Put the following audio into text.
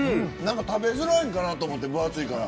食べづらいんかなと思って分厚いから。